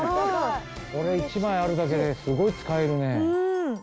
これ１枚あるだけですごい使えるね。